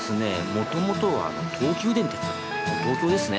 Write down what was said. もともとは東急電鉄もう東京ですね。